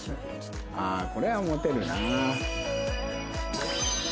ああこれはモテるな。